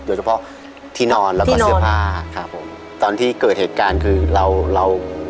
โดยเฉพาะที่นอนแล้วก็เสื้อผ้าครับผมตอนที่เกิดเหตุการณ์คือเราเรา